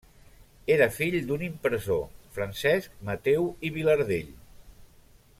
Era fill d'un impressor, Francesc Mateu i Vilardell.